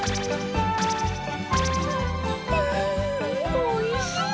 んおいしい！